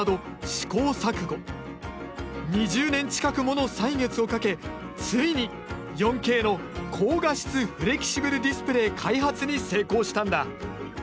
２０年近くもの歳月をかけついに４Ｋの高画質フレキシブルディスプレー開発に成功したんだ。